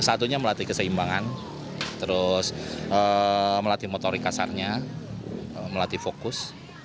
satunya melatih keseimbangan terus melatih motorik kasarnya melatih fokus